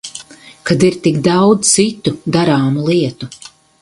Kad ir tik daudz citu darāmu lietu.